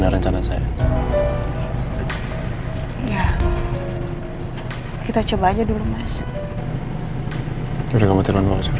gimana rencana saya ya kita coba aja dulu mas udah kamu tiruan pak suri